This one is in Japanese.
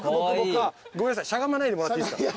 ごめんなさいしゃがまないでもらっていいすか。